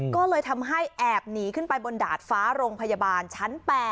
ก็เลยทำให้แอบหนีขึ้นไปบนดาดฟ้าโรงพยาบาลชั้น๘